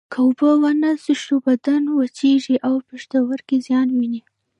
که اوبه ونه څښو بدن وچېږي او پښتورګي زیان ویني